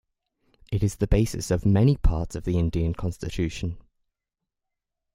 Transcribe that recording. It is the basis of many parts of the Indian Constitution.